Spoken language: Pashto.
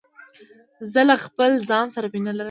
زه له خپل ځان سره مینه لرم.